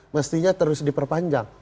mestinya terus diperpanjang